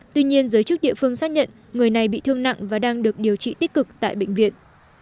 tuy nhiên giới chức địa phương xác nhận người này bị thương nặng và đang được điều trị tích cực tại bệnh viện